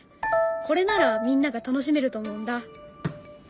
これならみんなが楽しめると思うんだ。